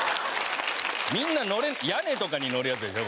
みんな乗れ屋根とかに乗るやつでしょ？